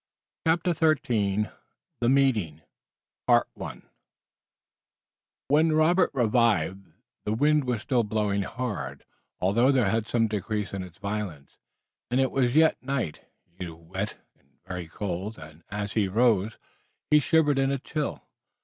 CHAPTER XIII THE MEETING When Robert revived the wind was still blowing hard, although there had been some decrease in its violence, and it was yet night. He was wet and very cold, and, as he arose, he shivered in a chill.